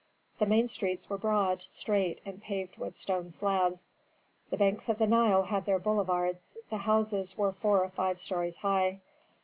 The main streets were broad, straight, and paved with stone slabs, the banks of the Nile had their boulevards, the houses were four or five stories high.